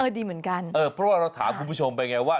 ดีเหมือนกันเออเพราะว่าเราถามคุณผู้ชมไปไงว่า